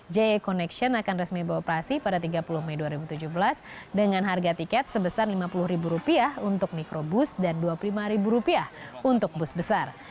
jaya connection akan resmi beroperasi pada tiga puluh mei dua ribu tujuh belas dengan harga tiket sebesar rp lima puluh untuk mikrobus dan rp dua puluh lima untuk bus besar